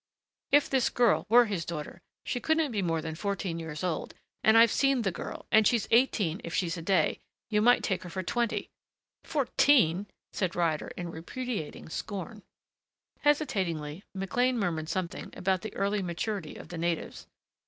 "If this girl were his daughter she couldn't be more than fourteen years old. And I've seen the girl and she's eighteen if she's a day you might take her for twenty. Fourteen!" said Ryder in repudiating scorn. Hesitating McLean murmured something about the early maturity of the natives.